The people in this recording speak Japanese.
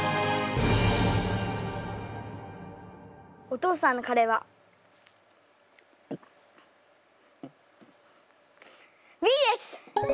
お父さんのカレーはＢです！